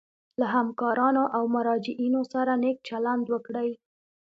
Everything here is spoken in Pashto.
له همکارانو او مراجعینو سره نیک چلند وکړي.